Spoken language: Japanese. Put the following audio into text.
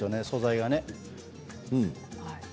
素材が。